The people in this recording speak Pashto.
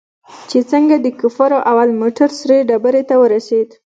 چې څنگه د کفارو اول موټر سرې ډبرې ته ورسېد.